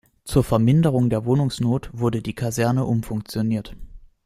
Zur Verminderung der Wohnungsnot wurde die Kaserne umfunktioniert.